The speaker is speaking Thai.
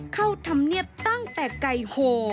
เข้าธรรมเนียบตั้งแต่ไก่โห